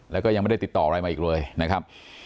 แล้วก็ยังไม่ได้ติดต่ออะไรมาอีกเลยนะครับ